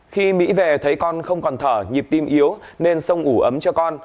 khi mỹ về thấy con không còn thở nhịp tim yếu nên sông ủ ấm cho con